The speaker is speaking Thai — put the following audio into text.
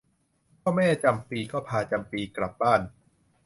พ่อแม่จำปีก็พาจำปีกลับบ้าน